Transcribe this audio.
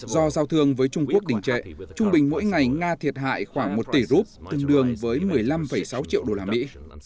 do giao thương với trung quốc đỉnh trệ trung bình mỗi ngày nga thiệt hại khoảng một tỷ rup tương đương với một mươi năm sáu triệu đô la mỹ